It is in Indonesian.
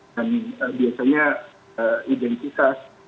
dan biasanya identitas